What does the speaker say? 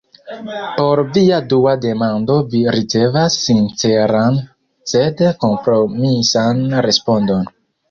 Por via dua demando vi ricevas sinceran sed kompromisan respondon.